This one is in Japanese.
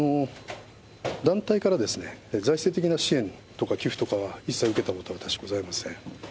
団体から財政的な支援とか寄付とかは、一切受けたことは私はございません。